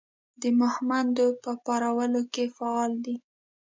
د مهمندو په پارولو کې فعال دی.